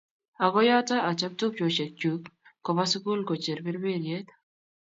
Akoyoto achop tupchoshek chuk koba sukul kocher berberiet